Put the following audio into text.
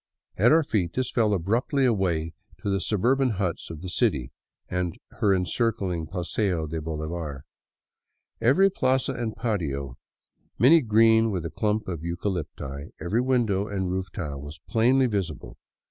At our feet this fell abruptly away to the suburban huts of the city and her encircling Paseo de Bolivar. Every plaza and patio, many green with a clump of eucalypti, every window and roof tile, was plainly visible.